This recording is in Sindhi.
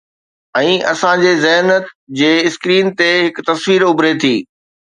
۽ اسان جي ذهن جي اسڪرين تي هڪ تصوير اڀري ٿي.